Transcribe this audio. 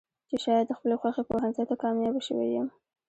چې شايد د خپلې خوښې پوهنځۍ ته کاميابه شوې يم.